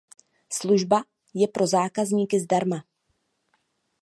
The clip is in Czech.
Služba je pro zákazníky zdarma.